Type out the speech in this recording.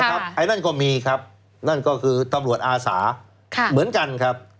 ไอ้นั่นก็มีครับนั่นก็คือตำรวจอาสาเหมือนกันครับ